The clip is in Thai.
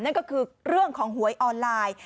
นั่นก็คือเรื่องของหวยออนไลน์